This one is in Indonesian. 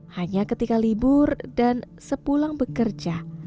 hanya ketika libur dan sepulang bekerja